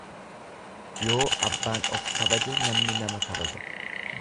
Yoo abbaan of kabaje namni nama kabaja.